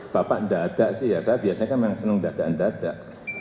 bapak ndadak sih ya saya biasanya kan memang senang dada ndadak